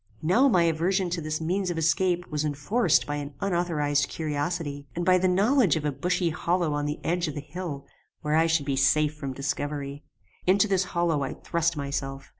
Now my aversion to this means of escape was enforced by an unauthorized curiosity, and by the knowledge of a bushy hollow on the edge of the hill, where I should be safe from discovery. Into this hollow I thrust myself.